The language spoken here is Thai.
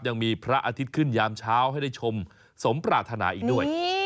ยังมีพระอาทิตย์ขึ้นยามเช้าให้ได้ชมสมปรารถนาอีกด้วย